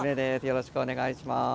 よろしくお願いします。